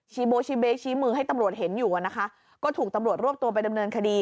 โบชีเบชี้มือให้ตำรวจเห็นอยู่อ่ะนะคะก็ถูกตำรวจรวบตัวไปดำเนินคดี